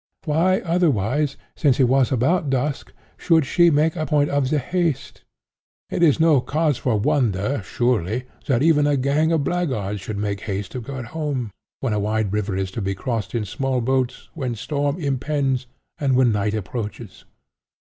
Why, otherwise, since it was about dusk, should she make a point of the haste? It is no cause for wonder, surely, that even a gang of blackguards should make haste to get home, when a wide river is to be crossed in small boats, when storm impends, and when night approaches.